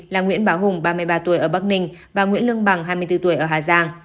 là nguyễn báo hùng ba mươi ba tuổi ở bắc ninh và nguyễn lương bằng hai mươi bốn tuổi ở hà giang